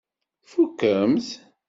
Tfukemt?